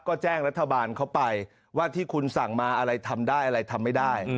ก็แจ้งรัฐบาลเขาไปว่าที่คุณสั่งมาอะไรทำได้อะไรทำไม่ได้